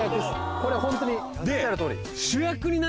これホントにおっしゃる通り。